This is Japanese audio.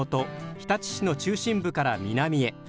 日立市の中心部から南へ。